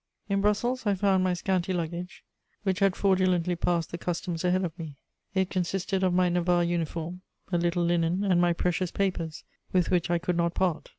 In Brussels I found my scanty luggage, which had fraudulently passed the customs ahead of me: it consisted of my Navarre uniform, a little linen, and my precious papers, with which I could not part.